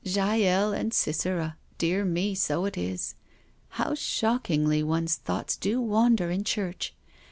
" Jael and Sisera — dear me, so it is I How shock ingly one's thoughts do wander in church.